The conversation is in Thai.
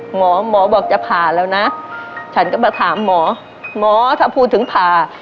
หมอหมอบอกจะผ่าแล้วนะฉันก็มาถามหมอหมอถ้าพูดถึงผ่า